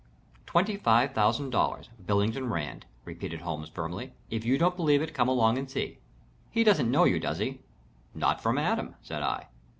"Twenty five thousand dollars. Billington Rand," repeated Holmes, firmly. "If you don't believe it come along and see. He doesn't know you, does he?" "Not from Adam," said I.